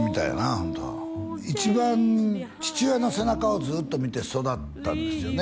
ホント一番父親の背中をずっと見て育ったんですよね